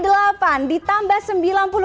tiga belas ditambah tiga ditambah satu dikali tujuh